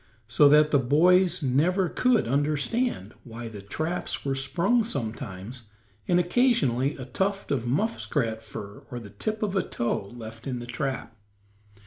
So that the boys never could understand why the traps were sprung sometimes, and occasionally a tuft of muskrat fur, or the tip of a toe left in the trap.